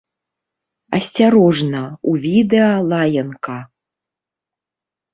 Асцярожна, у відэа лаянка!